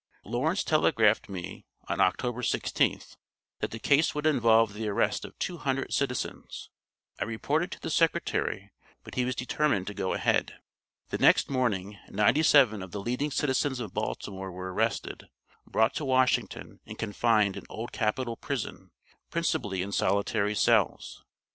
Lawrence telegraphed me, on October 16th, that the case would involve the arrest of two hundred citizens. I reported to the Secretary, but he was determined to go ahead. The next morning ninety seven of the leading citizens of Baltimore were arrested, brought to Washington, and confined in Old Capitol Prison, principally in solitary cells.